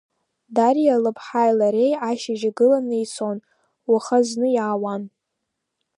Дариа лыԥҳаи лареи ашьыжь игыланы ицон, уаха зны иаауан.